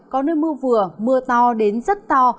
có nơi mưa vừa mưa to đến rất to